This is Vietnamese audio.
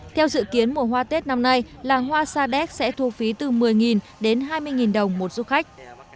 theo dự kiến mùa hoa tết năm nay làng hoa sa đéc sẽ thu phí từ một mươi đến hai mươi đồng một du khách